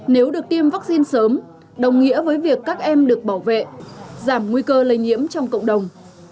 nếu được tiêm vaccine sớm đồng nghĩa với việc các em được bảo vệ giảm nguy cơ lây nhiễm trong cộng đồng